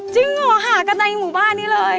เหรอหากันในหมู่บ้านนี้เลย